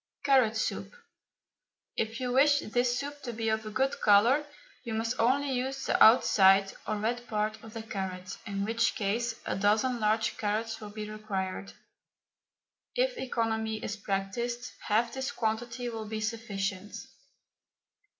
CARROT SOUP. If you wish this soup to be of a good colour, you must only use the outside, or red part, of the carrot, in which case a dozen large carrots will be required. If economy is practised, half this quantity will be sufficient.